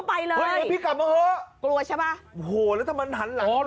มันกลับมาที่สุดท้ายแล้วมันกลับมาที่สุดท้ายแล้ว